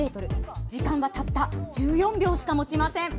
時間はたった１４秒しかもちません。